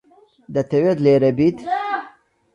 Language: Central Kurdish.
دەتەوێت لێرە بیت؟